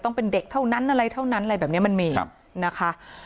ต้องเป็นเด็กเท่านั้นอะไรเท่านั้นอะไรแบบนี้มันมีนะคะ